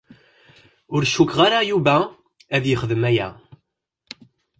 Ur cukkteɣ ara Yuba ad yexdem aya.